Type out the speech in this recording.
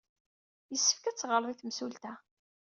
Yessefk ad teɣred i temsulta.